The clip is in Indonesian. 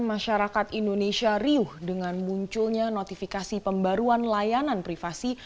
masyarakat indonesia riuh dengan munculnya notifikasi pembaruan layanan privasi